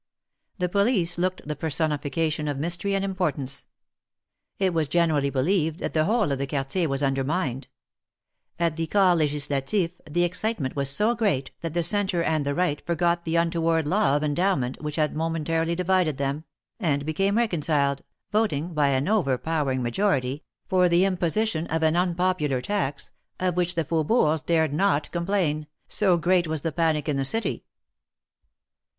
The police looked the personification of mystery and importance*. It was generally believed that the whole of the Qnartier was undermined* At the Corps^ Legislatif the excitement was sg> great that the Centre and the Right forgot the untoward law of endowment which had momentarily divided them, and became reconciled,, voting,, by an overpowering majority, for the imposition of an un}X)pnlar tax,, of which the Faubourgs dared not complain^ so great was the panic in the city.